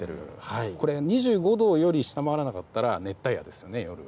２５度より下回らなかったら熱帯夜ですよね、夜。